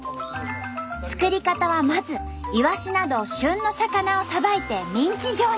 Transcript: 作り方はまずいわしなど旬の魚をさばいてミンチ状に。